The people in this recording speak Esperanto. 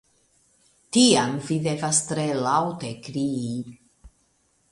Tiam vi devas tre laŭte krii.